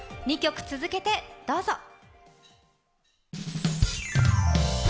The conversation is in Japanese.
２曲続けてどうぞ。